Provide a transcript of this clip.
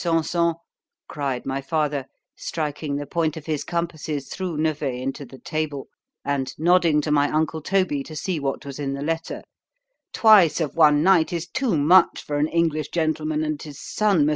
Sanson, cried my father, striking the point of his compasses through Nevers into the table—and nodding to my uncle Toby to see what was in the letter—twice of one night, is too much for an English gentleman and his son, Mons.